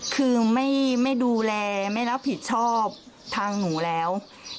คือไม่ดูแลไม่รับผิดชอบทางหนูแล้ว